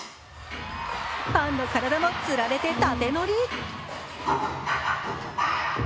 ファンの体もつられて縦ノリ。